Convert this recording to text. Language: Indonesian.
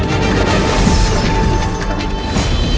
ada kentering manik